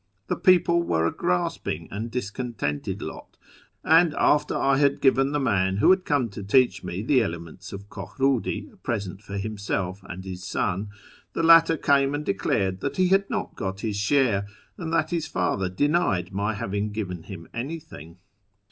The people were a grasping and discontented lot, and after I had given the man who had come to teach me the elements of Kohrudi a present for himself and his son, the latter came and declared that he had not got his share, and that his father denied my having given him anything.